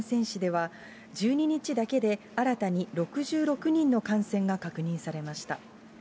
市では、１２日だけで新たに６６人の感染が確認されました。